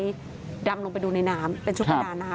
พ่อแม่มาเห็นสภาพศพของลูกร้องไห้กันครับขาดใจ